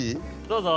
どうぞ。